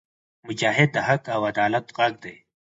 مجاهد د حق او عدالت غږ دی.